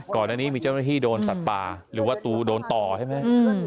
ก่อนอันนี้มีเจ้าหน้าที่โดนสัตว์ป่าหรือว่าตูโดนต่อใช่ไหม